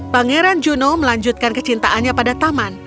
pangeran juno melanjutkan kecintaannya pada taman